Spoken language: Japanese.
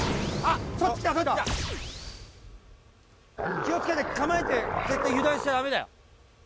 気をつけて、構えて、絶対油断しちゃダメだよ。